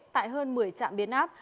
tại hơn một mươi trạm biến áp